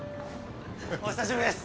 お久しぶりです！